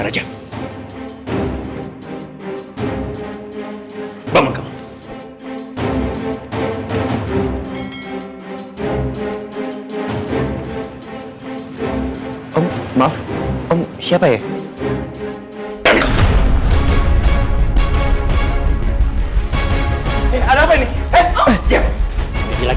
iya aku juga setuju sama apa yang kata mama sama papa bilang